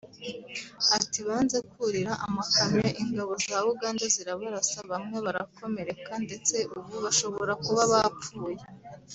Ati” Banze kurira amakamyo ingabo za Uganda zirabarasa bamwe barakomereka ndetse ubu bashobora kuba bapfuye